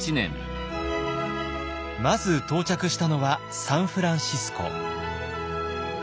まず到着したのはサンフランシスコ。